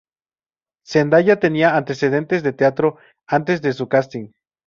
Zendaya tenía antecedentes de teatro antes de su casting.